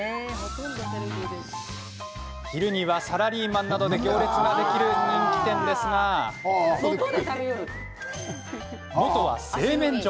昼には、サラリーマンなどで行列ができる人気店ですが元は製麺所。